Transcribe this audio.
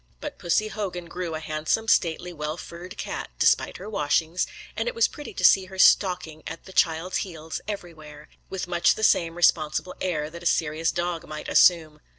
But Pussy Hogan grew a handsome, stately, well furred cat, despite her washings; and it was pretty to see her stalking at the child's heels everywhere, with much the same responsible air that a serious dog might assume.